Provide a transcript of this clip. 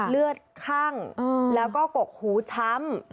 เลือดคั่งแล้วก็กกหูช้ำ